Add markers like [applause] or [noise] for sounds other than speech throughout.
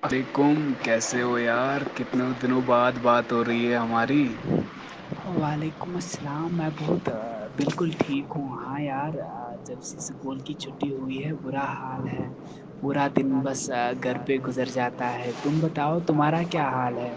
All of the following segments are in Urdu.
وعلیکم کیسے ہو یار کتنےوں دنوں بعد بات ہو رہی ہے ہماری وعلیکم السلام میں بہت بالکل ٹھیک ہوں ہاں یار جب سے اسکول کی چھٹی ہوئی ہے برا حال ہے پورا دن بس گھر پے گزر جاتا ہے تم بتاؤ تمہارا کیا حال ہے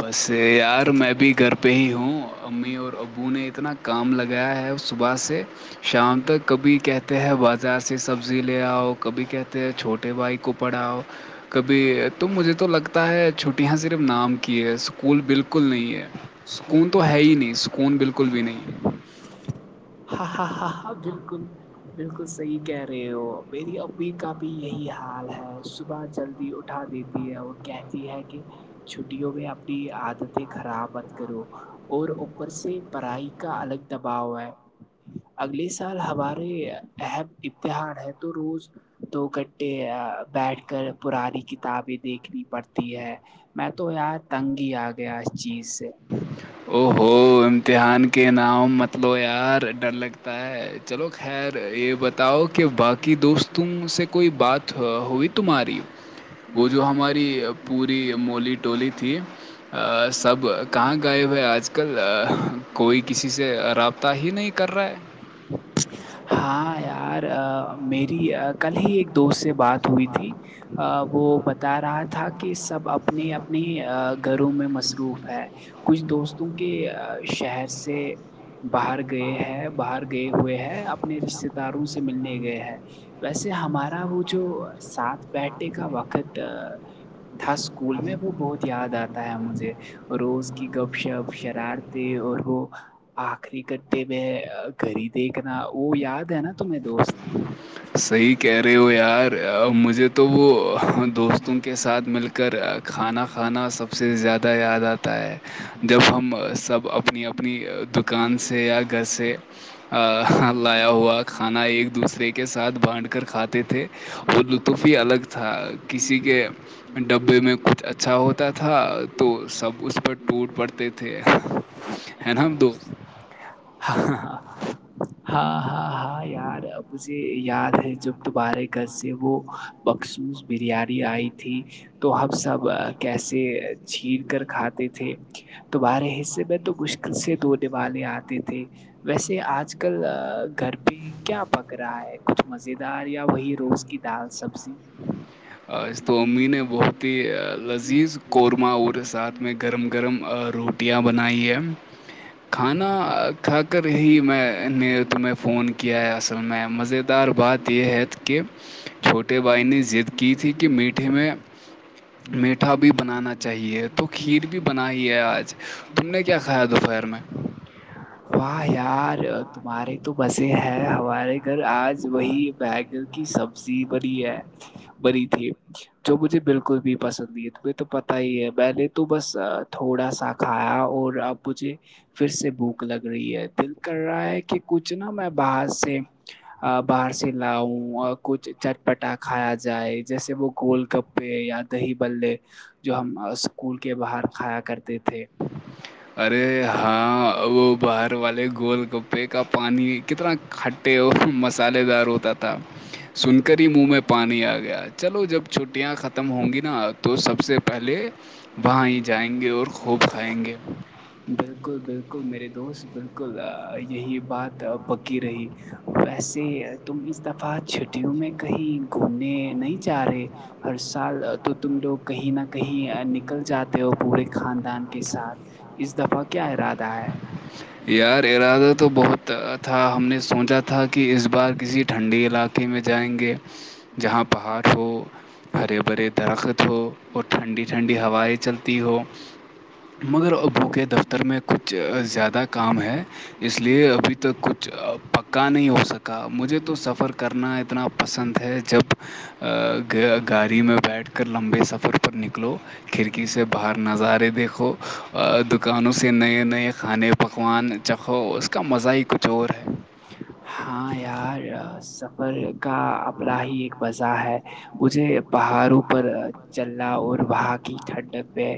بس یار میں بھی گھر پہ ہی ہوں امی اور ابو نے اتنا کام لگایا ہے اس صبح سے شام تک کبھی کہتے ہیں بازار سے سبزی لے آؤ کبھی کہتے ہیں چھوٹے بھائی کو پڑھاؤ کبھی تو مجھے تو لگتا ہے چھٹیاں صرف نام کے ہے سکول بالکل نہیں ہے سکون تو ہے ہی نہیں سکون بالکل بھی نہیں ہے [inaudible] ہاں ہاں ہاں ہاں بالکل بالکل صحیح کہہ رہے ہو میری امی کا بھی یہی حال ہے صبح جلدی اٹھا دیتی ہے اور کہتی ہے کہ چھٹیوں میں اپنی عادتیں خرابت کرو اور اوپر سے پرڑائی کا الگ دباؤ ہے اگلے سال ہمارے اہب ابتحار ہے تو روز دو گھنٹے بیٹھ کر پرانی کتابیں دیکھنی پڑتی ہے میں تو یار تنگ ہی آ گیا اس چیز سے او ہو امتحان کے نام متلو یار ڈر لگتا ہے چلو خیر یہ بتاؤ کہ باقی دوستوں سے کوئی بات ہوئی تمہاری ہو وہ جو ہماری پوری مولی ٹولی تھی سب گائے بھائی آج کل کوئی کسی سے رابطہ ہی نہیں کر رہا ہے ہاں یار میری کل ہی ایک دوست سے بات ہوئی تھی وہ بتا رہا تھا کہ سب اپب اپنی اپنی گھروں میں مصروف ہے کچھ دوستوں کے شہر سے باہر گئے ہیں باہر گئے ہوئے ہیں اپنے رشتے داروں سے ملنے گئے ہیں ویسے ہمارا وہ جو ساتھ بیٹھے کا وقت تھا اسکول میں وہ بہت یاد آتا ہے مجھے اور روز کی گپ شپ شرارتیں اور وہ آخری گھنٹے میں گ ہی دیکھنا وہ یاد ہے نا تمہیں دوست صحیح کہہ رہے ہو یار مجھے تو وہ دوستوں کے ساتھ مل کر کر کھانا کھانا سب سے زیادہ یاد آتا ہے جب ہم سب اپنی اپنی دکان سے یا گھر سے ا لایا ہوا کھانا ایک دوسرے کے ساتھ بانھ کر کھاتے تھے اور لطف ہی الگ تھا کسی کے ڈبے میں کچھ اچھا ہوتا تھا تو سب اس پر ٹوٹ پڑتے تھے [unintelligible] ہے نا ہم دوست ہاں ہاں ہاں یار مجھے یاد ہے جب دوبارے گز سے وہ مخصوص بریانی آئی تھی تو ہمب سب کیسے چھیر کر کھاتے تھے توبارہ حصے میں تو مشکل سے دورنے والی آتی تھی ویسے آج کل گھر بھی کیا پک رہا ہے کچھ مز دار یا وہی روز کی دال سبزی آج تو امی نے بہت لذیذ قورمہ اورورے ساتھ میں گرم گرم روح ٹیاں بنائیے واہ کھانا کھا کر ہی میں نے تمہیں فون کیا ہے اصل میں مز دار بات یہ ہت کہ [unintelligible] وہ ان نے ضد کی تھی کہ میٹھے میں میٹھا بھی بنانا چاہیے تو کھیر بھی بنا ہی ہے آج تم نے کیا کھایا [unintelligible] [inaudible] واہ یار تمہارے تو بسے ہے ہمارے گھر آج وہی بہ گ کی سبزی بڑ ہے بری تھی جو مجھے بالکل بھی پسند نہیں ہے تمہیں تو پتا ہی ہے میں نے تو بس تھوڑا سا کھایا اور آپ مجھے پھر سے بھوک لگ رہی ہے دل کر رہا ہے کہ کچھ نہا میں باہر سے باہر سے لاؤ اور کچھ چٹپٹا کھایا جائے جیسے وہ گول کپ پہ یا دہی بلے جو ہم اسکول کے باہر کھایا کرتے تھے ارے ہاں وہ باہر والے گول گپے کا پانی کتنا کھ ٹیی مسالحے دار ہوتا تھا سن کر ہی منہ میں پانی آ گیا چلو جب چھٹیاں ختم ہوں گی نا تو سب سے پہلے وہاں ہی جائیں گے اور خوب کھائیں گے بالکل بالکل بالکل میرے دوست بالکل یہی بات پکی رہی ویسے تم اس دفعہ چھٹیوں میں کہیں گھومنے نہیں جا رہے ہر سال تو تم لوگ کہیں نہ کہیں نکل جاتے ہو پورے خاندان کے ساتھ اس دفعہ کیا ارادہ ہے یار ارادہ تو بہت تھا ہم نے سوچا تھا کہ اس بار کسی ٹھنڈی علاقے ٹی میں جائیں گے جہاں پہاڑ ہو ہرے بھرے درخت ہو اور ٹھنڈی ٹھنڈی ہوائیں چلتی ہوں مگر ابو کے دفتر میں کچھ زیادہ کام ہے اس لیے ابھی تک کچھ پکا نہیں ہو سکا مجھے تو سفر کرنا اتنا پسند ہے جب گاڑی میں بیٹھ کر لمبے سفر پر نکلو کھڑکی سے باہر نظارے دیکھو دکانوں سے نئے نئے کھانے پکوان چکھو اس کا مزہ ہی کچھ اور ہے [unintelligible] ہاں یار سفر کا اپنا ہی ایک وزہ ہے مجھے پہاڑوں پر چلنا اور وہاں کی ٹھنڈک میں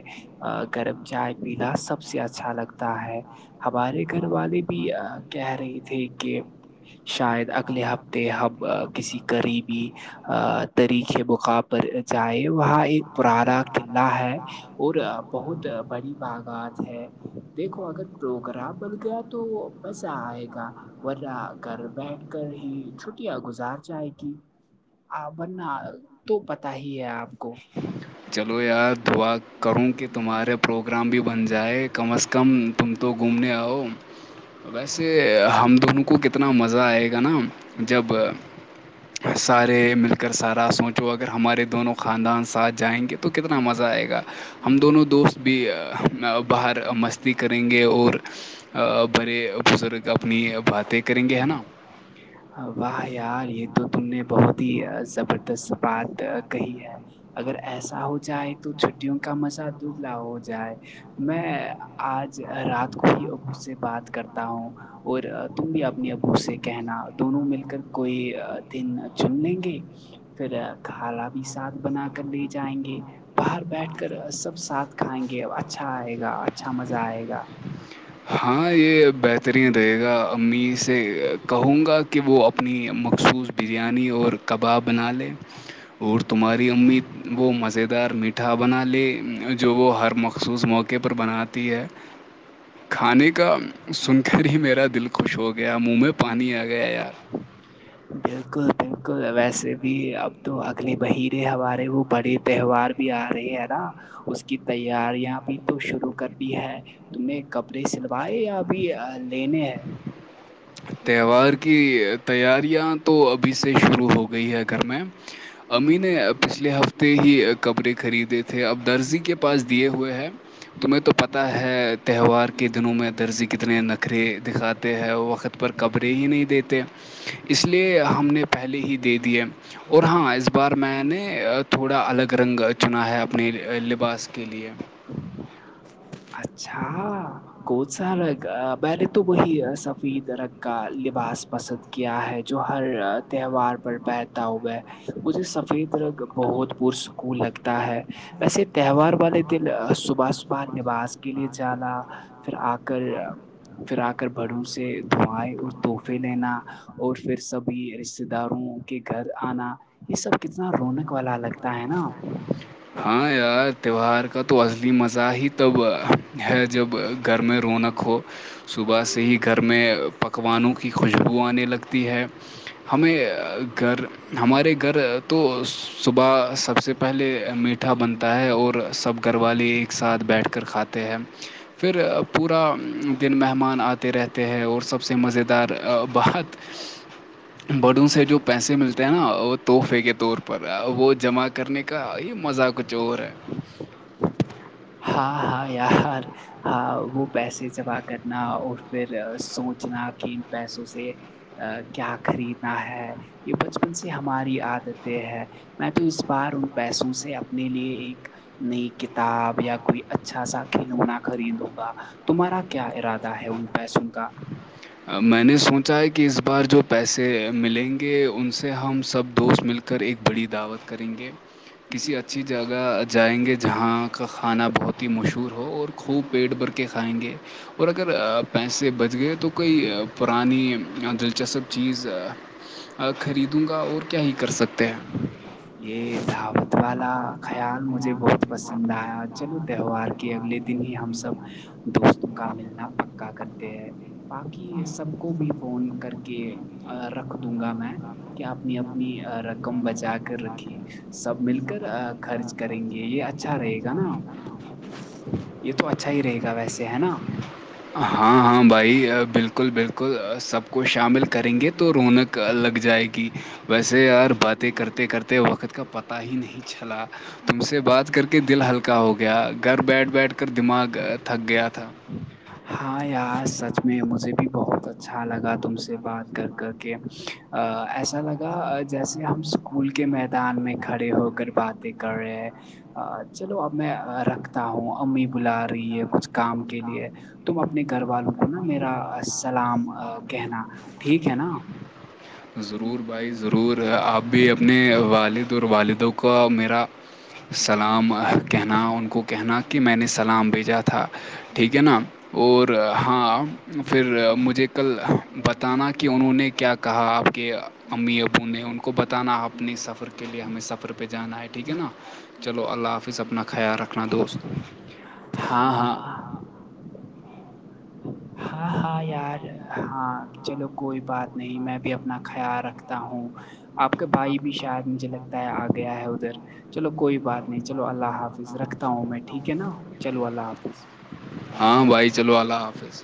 گرم چائے پیین سب سے اچھا لگتا ہے ہمارے گھر والے بھی کہہ رہے تھے کہ شاید اگلے ہفتے ہمب کسی قریبی طریخے بقاب پر جائے وہاں پرانا قعہ ہے اور بہت بڑی باغات ہے دیکھو اگر پروگرام بن گیا تو تو مزہ آئے گا ورہ گھر بیٹھ کر ہی چھٹیاں گزار جائے گی آ بننا تو پت ہی ہے آپ کو چلو یار دعا کروں کہ تمہارے پروگرام بھی بن جائے کم از کم تم تو گھومنے آؤ ویسے ہم دونوں کو کتنا مزہ آئے گا نا جب سارے مل کر سارا سوچو اگر ہمارے دونوں خان ساتھ جائیں گے تو کتنا مزہ آئے گا ہم دونوں دوست بھی باہر مستی کریں گے اور بڑے بزرگ اپنی باتیں کریں گے ہے نا واہ یار یہ تو تم نے بہت ہی زبردست بات کہی ہے اگر ایسا ہو جائے تو چھٹیوں کا مزہ دبلا ہو جائے میں آج رات کو ہی اب سے بات کرتا ہوں اور تم بھی اپنے ابو سے کہنا دونوں مل کر کوئی دن چن لیں گے پھر کھالا بھی ساتھ بنا کر لے جائیں گے باہر بیٹھ کر سب ساتھ کھائیں گے اچھا آئے گا اچھا مزہ آئے گا ہاں یہ بہترین رہے گا امی سے کہوں گا کہ وہ اپنی مخصوص بریانی اور کباب بنا لیں اور تمہاری امی وہ مزیدار میٹھا بنا لے جو وہ ہر مخصوص موقع کے پر بناتی ہے کھانے کا سن کر ہی میرا دل خوش ہو گیا منہ میں پانی آ گیا یار [inaudible] بالکل بالکل ویسے بھی اب تو اگل مہیر ہمارے وہ بڑے تہوار بھی آ رہے ہے نا اس کی تیاریاں بھی تو شروع کر دی ہے تم نے کپڑے سلوائے یا بھی لینے ہیں تہوار کی تیاریاں تو ابھی سے شروع ہو گئی ہے گھر میں امی نے پچھلے ہفتے ہی کپڑے خریدے تھے اب درزی کے پاس دیے ہوئے ہیں تمہیں تو پتہ ہے تہوار کے دنوں میں درزیح کتنے نخریے دکھاتے ہیں وقت پر قبریں ہی نہیں ہیں دیتے اس لیے ہم نے پہلے بھی ہی دے دنیا دیے اور ہاں اس بار میں میں دے نے تھوڑا الگ رنگ چنا ہے دیا اپنے لباس کے لیے [inaudible] اچھا گ س میں نےے تو وہی ہے سفید ررنگ کا لباس پسند کیا ہے جو ہر تہوار پر پتا ہوئے مجھے سفید رنگ بہت پرسکون لگتا ہے ویسے تہوار والے دن صبح صبح لباس کے لیے جانا پھر آ کر پھر آ کر بڑو سے اور تحفے لینا اور پھر سبھی رشتے داروں کے گھر آنا یہ سب کتنا رونق والا لگتا ہے نا ہاں یار تہوار کا تو عزلی مزہ ہی تب ہے جب گھر میں رونق رکھو صبح سے ہی گھر میں پکوانوں کی خوشبو آنے لگتی ہے ہمیں گھر ہمارے گھر تو صبح سب سے پہلے میٹھا بنتا ہے اور سب گھر والے ایک ساتھ بیٹھ کر کھاتے ہیں پھر پورا دن مہمان آتے رہتے ہیں اور سب سب سے مزیدار بات بڑوں سے جو پیسے ملتے ہیں نا وہ تحفے کے طور پر وہ جمع کرنے کا یہ مزہ کچھ ج اور ہے ہاں ہاں یار ہاں وہ پیسے جمع کرنا اور پھر سوچ چنا کے ان پیسوں سے کیا خریدنا ہے یہ بچپن سے ہماری عادتیں ہے میں تو اس بار ان پیسوں سے اپنے لیے ایک نئی کتاب یا کوئی اچھا سا کھلونا خریدوں گا تمہارا کیا ارادہ ہے ان پیسوں کا میں نے سوچا ہے کہ اس بار جو پیسے ملیں گے ان سے ہم سب دوست مل کر ایک بڑی دعوت کریں گے کسی اچھی جگہ جائیں گے جہاں کا کھانا بہت ہی مشہور ہو اور خوب پیٹ بھر کے کھائیں گے اور اگر پیسے بچ گئے تو کوئی پرانییا دلچسپ چیز خریدوں گا اور کیا ہی کر سکتے ہیں یہ دعوت والا خیال مجھے بہت پسند آیا چلو تہوار کہ اگلے دن ہی ہم سب دوستوں کا ملنا پکا کرتے ہیں باقی سب کو بھی فون کر کے رکھ دوں گا میں کہ اپنی اپنی رقم بچا کر رکھی سب مل کر خرچ کریں گے یہ اچھا رہے گا نا یہ تو اچھا ہی رہے گا ویسے ہے نا ہاں ہاں بھائی بالکل بالکل سب کو شامل کریں گے تو رونق لگ جائے گی ویسے یار باتیں کرتے کرتے وقت کا پتہ ہی نہیں چلا تم سے بات کر کے دل ہلکا ہو گیا گھر بیٹھ بیٹھ کر دماغ تھک گیا تھا ہاں یار سچ میں مجھے بھی بہت اچھا لگا تم سے بات کر کر کے ایسا لگا جیسے ہم اسکول کے میدان میں کھڑے ہو کر باتیں کر رہے ہیں چلو اب میں رکھتا ہوں امی بلا رہی ہے کچھ کام کے لیے تم اپنے گھر والوں کو نا میرا سلام کہنا ٹھیک ہے نا ضرور بھائی ضرور آپ بھی اپنے والد اور والدوں کا میرا سلام کہنا ان کو کہنا کہ میں نے سلام بھیجا تھا ٹھیک ہے نا [inaudible] اور ہاں پھر مجھے کل بتانا کہ انہوں نے کیا کہا آپ کے امی ابو نے ان کو بتانا اپنے سفر کے لیے ہاں ہمیں سفر پہ جانا ہے ٹھیک ہے نا چلو اللہ حافظ اپنا خیال رکھنا دوست ہاں ہاں ہاں ہاں یار ہاں چلو کوئی بات نہیں میں بھی اپنا خیال رکھتی تا ہوں آپ کا بھائی بھی شاید مجھے لگتا ہے آ گیا ہے ادھر چلو کوئی بات نہیں چلو اللہ حافظ رکھ ہوں میں ٹھیک ہے نا چلو اللہ حافظ ہاں بھائی چلو اللہ حافظ